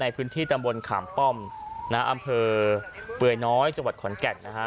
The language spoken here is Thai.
ในพื้นที่ตำบลขามป้อมนะฮะอำเภอเปื่อยน้อยจังหวัดขอนแก่นนะฮะ